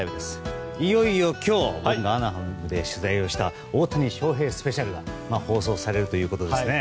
いよいよ今日アナハイムで取材をした大谷翔平スペシャルが放送されるということですね。